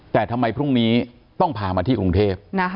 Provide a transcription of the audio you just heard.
แต่ทำไมพรุ่งนี้ต้องพามาที่กรุงเทพ